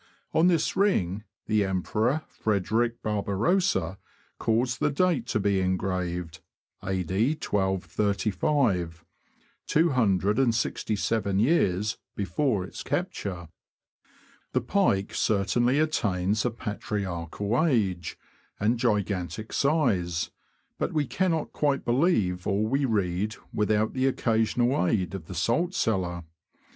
On this ring the Emperor Frederick The Pike. Barbarossa caused the date to be engraved A.D. 1235 — 267 years before its capture." The pike certainly attains a patriarchal age and gigantic size, but we cannot quite believe all we read without the occasional aid of the salt cellar.